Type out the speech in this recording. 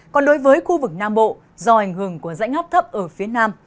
còn đối với khu vực nam bộ do ảnh hưởng của dãy ngắp thấp ở phía nam